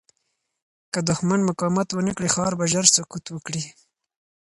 که دښمن مقاومت ونه کړي، ښار به ژر سقوط وکړي.